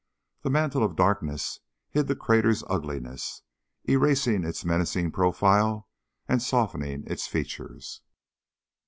The mantle of darkness hid the crater's ugliness, erasing its menacing profile and softening its features.